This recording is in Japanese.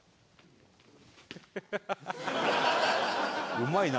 うまいな。